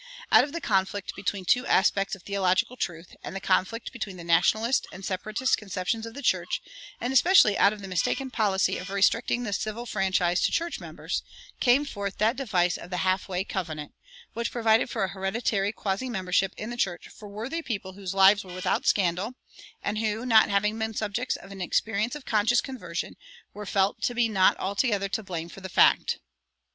Out of the conflict between two aspects of theological truth, and the conflict between the Nationalist and the Separatist conceptions of the church, and especially out of the mistaken policy of restricting the civil franchise to church members, came forth that device of the "Half way Covenant" which provided for a hereditary quasi membership in the church for worthy people whose lives were without scandal, and who, not having been subjects of an experience of conscious conversion, were felt to be not altogether to blame for the fact.